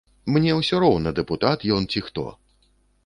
Мне ўсё роўна, дэпутат ён ці хто.